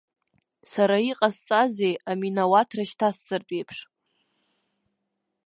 Сара иҟасҵазеи аминауаҭра шьҭасҵартә еиԥш?